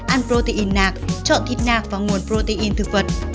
an protein nạc chọn thịt nạc và nguồn protein thực vật